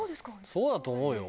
そうだと思うよ。